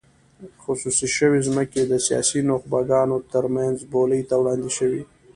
خصوصي شوې ځمکې د سیاسي نخبګانو ترمنځ بولۍ ته وړاندې شوې.